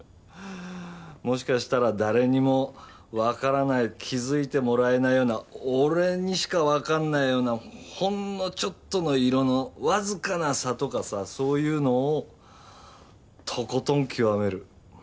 もしかしたら誰にもわからない気づいてもらえないような俺にしかわかんないようなほんのちょっとの色のわずかな差とかさそういうのをとことん極める。